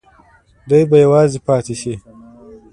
دی به یوازې پاتې شي.